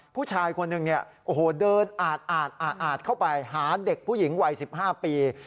ผู้ชายคนหนึ่งเนี่ยโอ้โหเดินอาดเข้าไปหาเด็กผู้หญิงวัย๑๕ปี